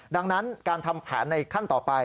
ดังนั้นการทำแผนในขั้นต่อไป